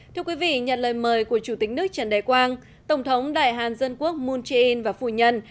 thưa quý vị nhận lời mời của chủ tịch nước trần đại quang tổng thống đại hàn dân quốc moon jae in và phủ nhân